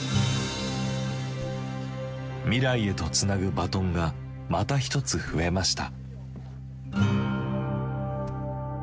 未来へとつなぐバトンがまた一つ増えました。